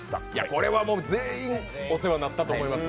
これは全員、お世話になったと思います。